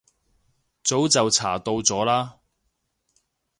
早就查到咗啦